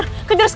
cepet jalan pak